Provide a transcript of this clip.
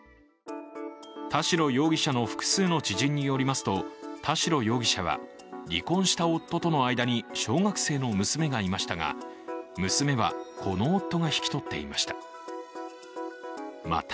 田代容疑者の複数の知人によりますと、田代容疑者は離婚した夫との間に小学生の娘がいましたが、娘はこの夫が引き取っていました。